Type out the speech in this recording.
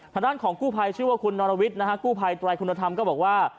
ทางด้านของกู้ภัยชื่อว่าคุณนรวิทย์นะฮะกู้ภัยไตรคุณธรรมก็บอกว่า